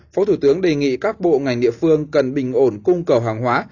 phó thủ tướng đề nghị các bộ ngành địa phương cần bình ổn cung cầu hàng hóa